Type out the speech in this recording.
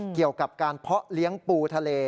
เกี่ยวกับการเพาะเลี้ยงปูทะเล